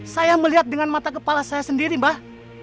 saya melihat dengan mata kepala saya sendiri mbah